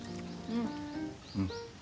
うん。